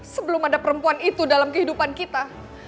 sebelum ada perempuan itu dalam kehidupan kita